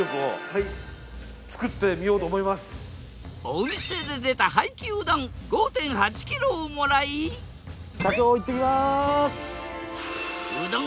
お店で出た廃棄うどん５．８キロをもらい社長行ってきます。